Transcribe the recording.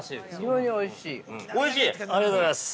◆ありがとうございます。